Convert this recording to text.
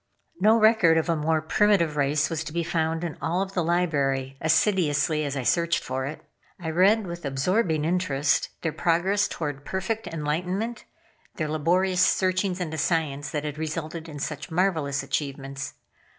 No record of a more primitive race was to be found in all the Library, assiduously as I searched for it. I read with absorbing interest their progress toward perfect enlightenment, their laborious searchings into science that had resulted in such marvelous achievements.